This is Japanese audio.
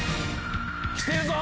来てるぞ！